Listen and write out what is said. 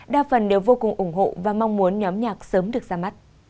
đa phần đều vô cùng ủng hộ và mong muốn nhóm nhạc sớm được ra mắt